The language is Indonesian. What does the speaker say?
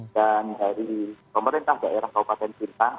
dan dari pemerintah daerah kabupaten pintang